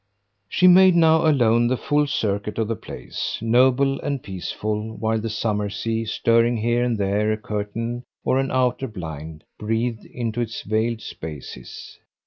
She made now, alone, the full circuit of the place, noble and peaceful while the summer sea, stirring here and there a curtain or an outer blind, breathed into its veiled spaces.